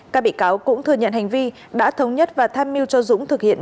các bị cáo cũng thừa nhận hành vi đã thống nhất và tham mưu cho dũng thực hiện